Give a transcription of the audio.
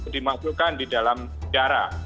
dimasukkan di dalam sejarah